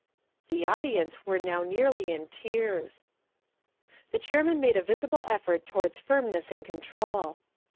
The audience were now nearly in tears. The chairman made a visible effort towards firmness and control.